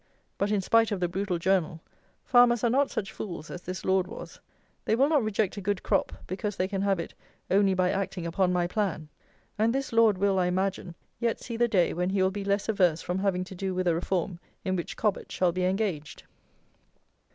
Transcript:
But in spite of the brutal Journal, farmers are not such fools as this lord was: they will not reject a good crop because they can have it only by acting upon my plan; and this lord will, I imagine, yet see the day when he will be less averse from having to do with a reform in which "Cobbett" shall be engaged.